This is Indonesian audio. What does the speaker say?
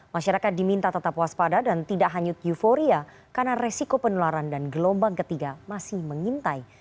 masyarakat diminta tetap waspada dan tidak hanyut euforia karena resiko penularan dan gelombang ketiga masih mengintai